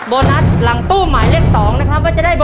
โบนัสหลังตู้หมายเลขสองนะครับคุณผู้ชมครับ